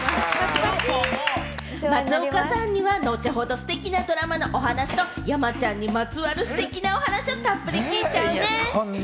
松岡さんには後ほどステキなドラマのお話と、山ちゃんにまつわるステキなお話をたっぷり聞いちゃうね。